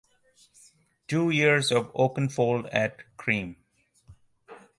Two Years of Oakenfold at Cream.